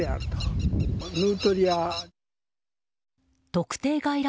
特定外来